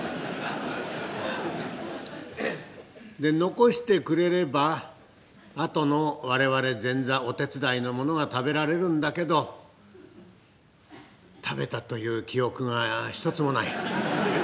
残してくれればあとの我々前座お手伝いの者が食べられるんだけど食べたという記憶が一つもない。